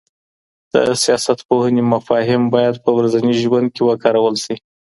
د سياست پوهني مفاهيم بايد په ورځني ژوند کي وکارول سي.